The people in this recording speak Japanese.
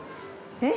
◆えっ？